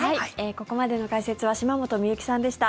ここまでの解説は島本美由紀さんでした。